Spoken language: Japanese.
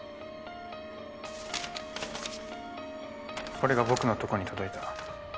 これが僕のところに届いた。